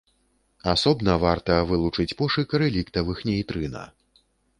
Асобна варта вылучыць пошук рэліктавых нейтрына.